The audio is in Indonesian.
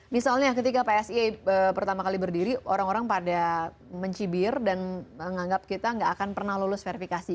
misalnya ketika psi pertama kali berdiri orang orang pada mencibir dan menganggap kita nggak akan pernah lulus verifikasi